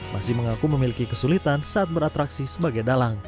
masih mengaku memiliki kesulitan saat beratraksi sebagai dalang